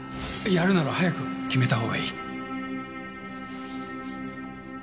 やるなら早く決めたほうがいい。